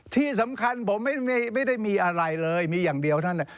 ที่สำคัญผมไม่ได้มีอะไรเลยมีอย่างเดียวท่าน